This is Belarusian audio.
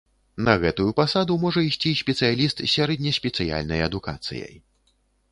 На гэтую пасаду можа ісці спецыяліст з сярэднеспецыяльнай адукацыяй.